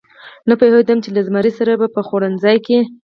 نه پوهېدم چې له زمري سره به په خوړنځای کې.